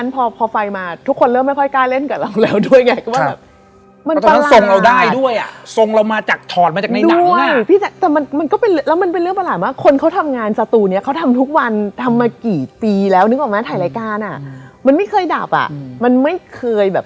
เพราะคือวันที่ใส่ไปถ่ายอ่ะ